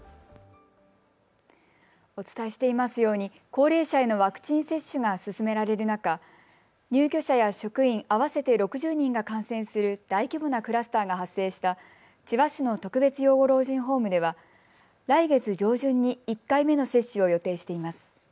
お伝えしていますように高齢者へのワクチン接種が進められる中、入居者や職員合わせて６０人が感染する大規模なクラスターが発生した千葉市の特別養護老人ホームでは来月上旬に１回目の接種を予定しています。